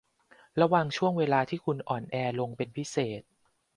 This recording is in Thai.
ระวังช่วงเวลาที่คุณอ่อนแอลงเป็นพิเศษ